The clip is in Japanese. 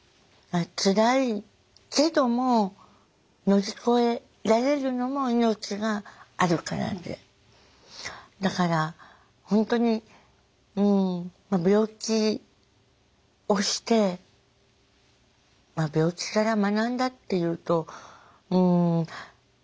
つらいけども乗り越えられるのも命があるからでだから本当に病気をしてまあ病気から学んだっていうとうん。